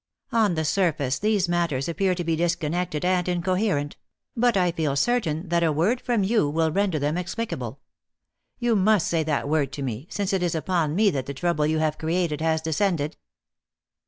On the surface these matters appear to be disconnected and incoherent; but I feel certain that a word from you will render them explicable. You must say that word to me, since it is upon me that the trouble you have created has descended."